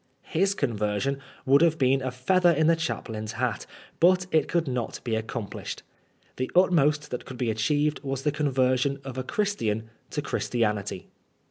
His conversion would have been a feather in the chaplain's hat, but it could not be accomplished. The utmost that could be achieved was the conversion of a Christian to Christianity.